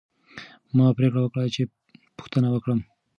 ما پریکړه وکړه چې پوښتنه وکړم.